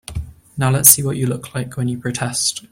Now let's see what you look like when you protest.